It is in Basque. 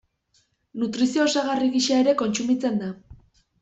Nutrizio-osagarri gisa ere kontsumitzen da.